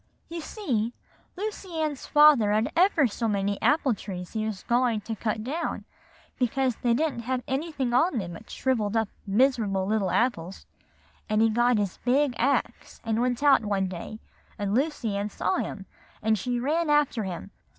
"You see, Lucy Ann's father had ever so many apple trees he was going to cut down, because they didn't have anything on them but shrivelled up miserable little apples; and he got his big axe, and went out one day, and Lucy Ann saw him, and she ran after him.